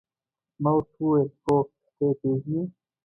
ما ورته وویل: هو، ته يې پېژنې؟